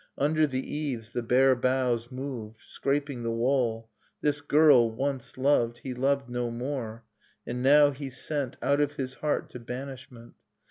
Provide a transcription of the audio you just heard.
Under the eaves the bare boughs moved, Scraping the wall ... This girl, once loved, He loved no more; and now he sent Out of his heart, to banishment.